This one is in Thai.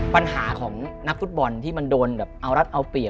ปัญหาของนักฟุตบอลที่มันโดนแบบเอารัดเอาเปรียบ